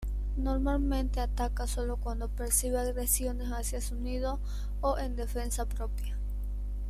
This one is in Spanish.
Normalmente ataca sólo cuando percibe agresiones hacia su nido o en defensa propia.